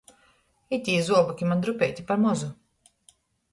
Itī zuoboki maņ drupeiti par mozu.